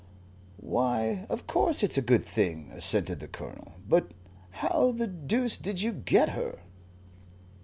"Why, of course it's a good thing," assented the Colonel. "But how the deuce did you get her?"